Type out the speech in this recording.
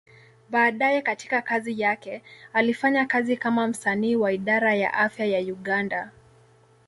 Baadaye katika kazi yake, alifanya kazi kama msanii wa Idara ya Afya ya Uganda.